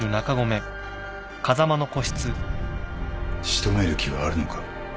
仕留める気はあるのか？